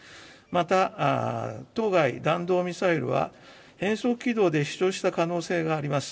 また、当該弾道ミサイルは、変則軌道で飛しょうした可能性があります。